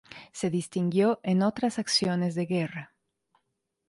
Se distinguió en otras acciones de guerra.